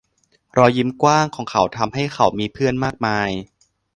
รอยยิ้มกว้างของเขาทำให้เขามีเพื่อนมากมาย